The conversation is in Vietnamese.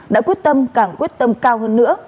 đã quyết tâm càng quyết tâm cao hơn nữa